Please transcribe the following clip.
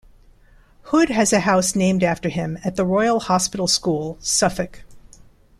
Hood has a house named after him at The Royal Hospital School, Suffolk.